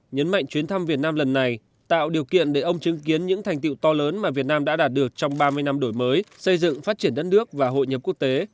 nhấn mạnh chuyến thăm việt nam lần này tạo điều kiện để ông chứng kiến những thành tiệu to lớn mà việt nam đã đạt được trong ba mươi năm đổi mới xây dựng phát triển đất nước và hội nhập quốc tế